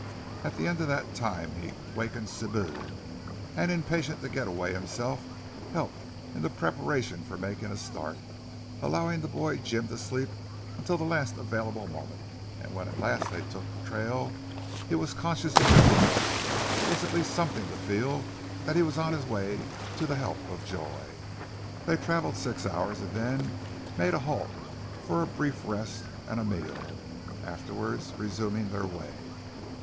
At the end of that time he wakened Sibou, and, impatient to get away himself, helped in the preparation for making a start, allowing the boy Jim to sleep until the last available moment, and when at last they took the trail he was conscious of relief. It was at least something to feel that he was on his way to the help of Joy. They travelled six hours and then made a halt for a brief rest and a meal, afterwards resuming their way.